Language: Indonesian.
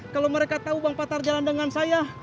kalau mereka tahu bang patar jalan dengan saya